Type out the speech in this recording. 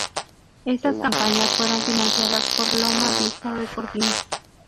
Estas campañas fueron financiadas por Loma Vista Recordings.